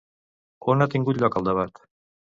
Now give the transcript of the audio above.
On ha tingut lloc el debat?